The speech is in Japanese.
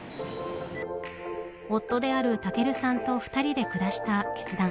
夫である尊さんと２人で下した決断。